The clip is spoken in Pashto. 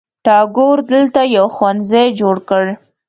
ټاګور دلته یو ښوونځي جوړ کړ.